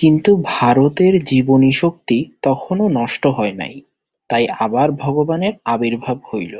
কিন্তু ভারতের জীবনীশক্তি তখনও নষ্ট হয় নাই, তাই আবার ভগবানের আবির্ভাব হইল।